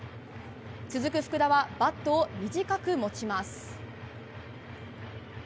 続く福田はバットを短く持ちます。